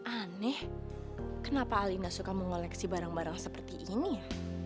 aneh kenapa alinda suka mengoleksi barang barang seperti ini ya